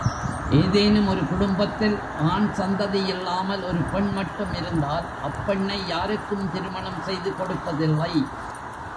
ஏதேனும் ஒரு குடும்பத்தில் ஆண் சந்ததியில்லாமல் ஒரு பெண் மட்டும் இருந்தால் அப்பெண்ணை யாருக்கும் திருமணம் செய்து கொடுப்பதில்லை.